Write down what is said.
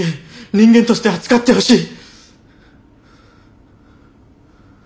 人間として扱ってほしい。